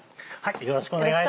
よろしくお願いします。